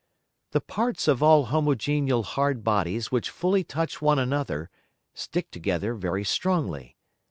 The Parts of all homogeneal hard Bodies which fully touch one another, stick together very strongly.